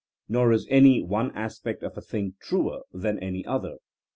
Nor is any one aspect of a thing truer*' than any other.